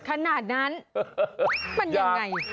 ขนาดนั้นมันยังไง